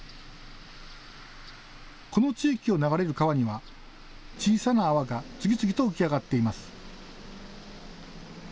この地域を流れる川には小さな泡が次々と浮き上がっています。